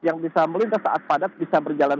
yang bisa melintas saat padat bisa berjalan